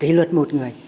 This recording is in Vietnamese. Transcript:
tỷ lượt một người